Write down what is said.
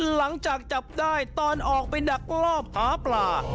หลังจากจับได้ตอนออกไปดักลอบหาปลา